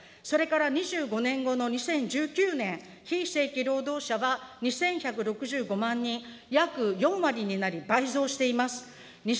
それから２５年後の２０１９年、非正規労働者は２１６５万人、約４割になり倍増しています。